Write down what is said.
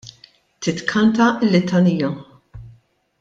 Titkanta l-litanija.